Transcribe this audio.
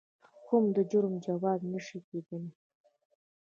قوم د جرم جواز نه شي کېدای.